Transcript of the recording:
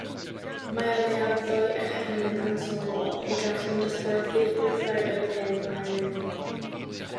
Mae o leiaf ddwy echelin ansoddol y gallwn ddosbarthu'r gweithredoedd hyn arnyn nhw.